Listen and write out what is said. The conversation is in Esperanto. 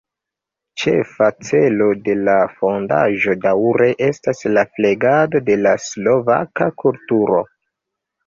Ĉefa celo de la fondaĵo daŭre estas la flegado de la slovaka kulturo.